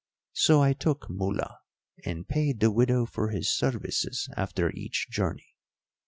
So I took Mula and paid the widow for his services after each journey.